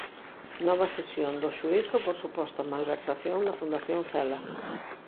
Nova sesión do xuízo por suposta malversación na Fundación Cela.